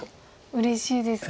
うれしいですか。